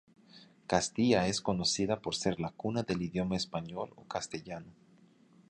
Castilla es conocida por ser la cuna del idioma español o castellano.